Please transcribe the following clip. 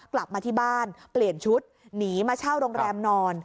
กลับมาที่บ้านเปลี่ยนชุดหนีมาเช่าโรงแรมนอน